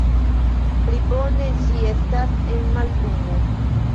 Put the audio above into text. Pli bone ĝi estas en mallumo.